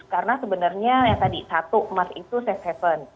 karena sebenarnya yang tadi satu emas itu safe haven